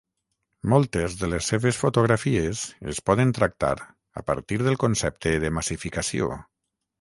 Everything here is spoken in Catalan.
Moltes de les seves fotografies es poden tractar a partir del concepte de massificació.